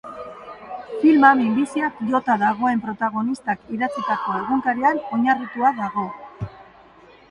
Filma minbiziak jota dagoen protagonistakidatzitako egunkarian oinarritua dago.